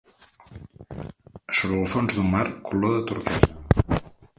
Sobre el fons d'un mar color de turquesa